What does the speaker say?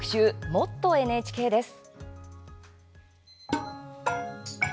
「もっとＮＨＫ」です。